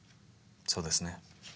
そうですね。